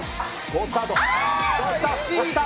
好スタート。